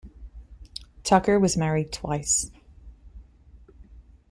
Tucker was married twice.